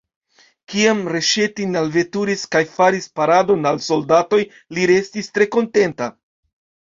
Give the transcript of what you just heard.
Kiam Reŝetin alveturis kaj faris paradon al soldatoj, li restis tre kontenta.